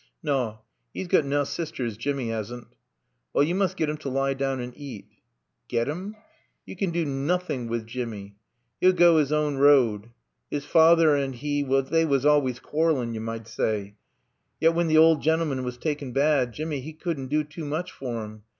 "Naw; 'e's got naw sisters, Jimmy 'assn't." "Well, you must get him to lie down and eat." "Get 'im? Yo can do nowt wi' Jimmy. 'E'll goa 'is own road. 'Is feyther an' 'e they wuss always quar'ling, yo med say. Yet when t' owd gentleman was taaken bad, Jimmy, 'e couldn' do too mooch for 'im.